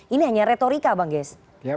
ini hanya retorika bang ges